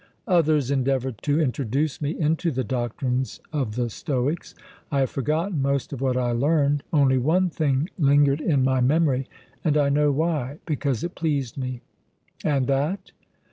"Others endeavoured to introduce me into the doctrines of the Stoics. I have forgotten most of what I learned; only one thing lingered in my memory, and I know why because it pleased me." "And _that?